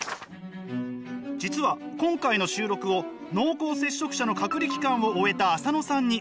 実は今回の収録を濃厚接触者の隔離期間を終えた浅野さんに見ていただいています。